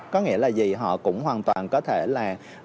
có nghĩa là gì họ cũng hoàn toàn có thể là